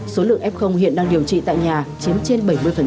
số lượng f hiện đang điều trị tại nhà chiếm trên bảy mươi